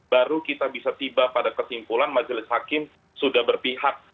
baru kita bisa tiba pada kesimpulan majelis hakim sudah berpihak